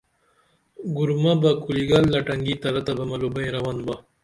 گُرمہ بہ کُلی گل لٹنگی ترہ تہ ملو بائیں رون با